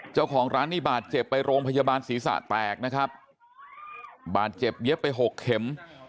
เจ้าของร้านนี่บาดเจ็บไปโรงพยาบาลศีรษะแตกนะครับบาดเจ็บเย็บไปหกเข็ม